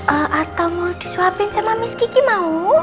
atau mau disuapin sama miss kiki mau